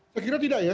saya kira tidak ya